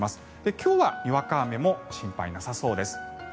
今日はにわか雨も心配なさそうです。